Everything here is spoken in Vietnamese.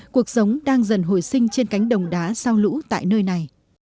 cuộc sống đang dần hồi sinh trên cánh đồng đá sau lũ tại nơi này